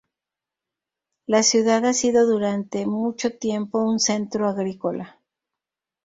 La ciudad ha sido durante mucho tiempo un centro agrícola.